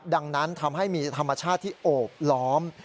ดังนั้นทำให้มีธรรมชาติที่โอบล้อม